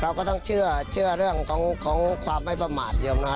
เราก็ต้องเชื่อเรื่องของความไม่ประมาทเดียวนะ